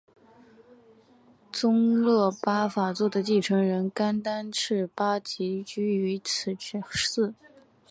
宗喀巴法座的继承人甘丹赤巴即居于此寺。